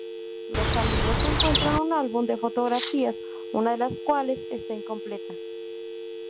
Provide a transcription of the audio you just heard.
Los amigos encuentran un álbum de fotografías, una de las cuales está incompleta.